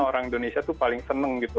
orang indonesia tuh paling seneng gitu